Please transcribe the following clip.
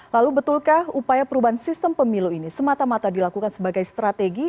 lalu betulkah upaya perubahan sistem pemilu ini semata mata dilakukan sebagai strategi